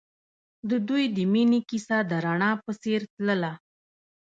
د دوی د مینې کیسه د رڼا په څېر تلله.